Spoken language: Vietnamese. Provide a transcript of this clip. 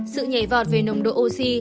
sự nhảy vọt về nồng độ oxy